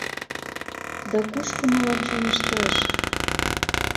Да кушко мылам чоҥешташ?..